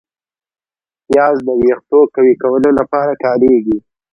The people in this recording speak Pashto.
پیاز د ویښتو قوي کولو لپاره کارېږي